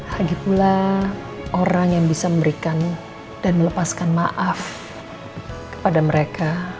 lagi pula orang yang bisa memberikan dan melepaskan maaf kepada mereka